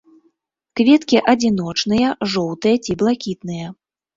Кветкі адзіночныя, жоўтыя ці блакітныя.